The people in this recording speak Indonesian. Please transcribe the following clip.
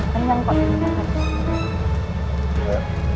sayang aku udah